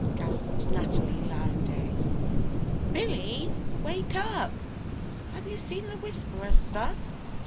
gasped Natalie Lowndes. "Billy wake up! Have you seen 'the Whisperer stuff'?"